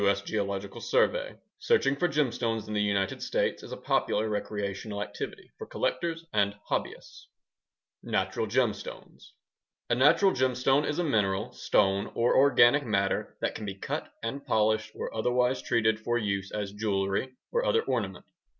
S. Geological Survey Natural Gemstones Searching for gemstones in the United States is a popular recreational activity for collectors and hobbyists Natural gemstones A natural gemstone is a mineral, stone, or organic matter that can be cut and polished or otherwise treated for use as jewelry or other ornament.